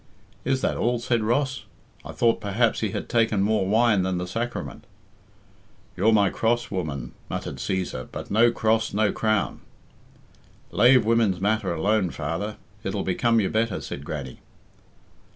"Is that all?" said Ross. "I thought perhaps he had taken more wine than the sacrament." "You're my cross, woman," muttered Cæsar, "but no cross no crown." "Lave women's matters alone, father; it'll become you better," said Grannie.